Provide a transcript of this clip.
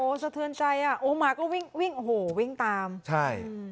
สะเทือนใจอ่ะโอ้หมาก็วิ่งวิ่งโอ้โหวิ่งตามใช่อืม